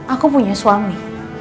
aku punya suami